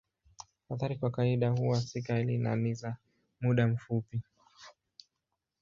Athari kwa kawaida huwa si kali na ni za muda mfupi.